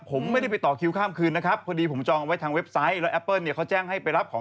ผมไม่ได้ไปต่อคิวข้ามคืนนะครับ